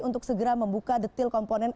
untuk segera membuka detil komponen